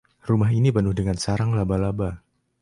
Rumah ini penuh dengan sarang laba-laba.